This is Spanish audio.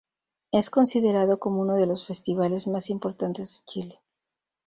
Es considerado como uno de los festivales más importantes de Chile.